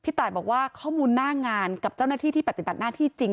ตายบอกว่าข้อมูลหน้างานกับเจ้าหน้าที่ที่ปฏิบัติหน้าที่จริง